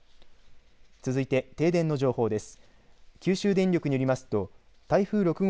続いて停電の情報です。